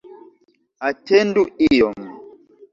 Atendu iom!